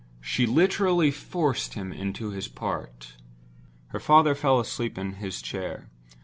She literally forced him into his part. Her father fell asleep in his chair. Mrs.